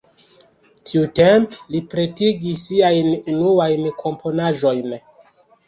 Tiutempe li pretigis siajn unuajn komponaĵojn.